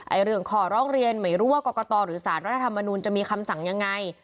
เรื่องขอร้องเรียนไม่รู้ว่ากรกตหรือสารรัฐธรรมนูลจะมีคำสั่งยังไง